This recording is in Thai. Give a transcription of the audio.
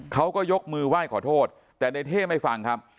เขาก็ยกมือไหว้ขอโทษแต่ในเท่ไม่ฟังครับ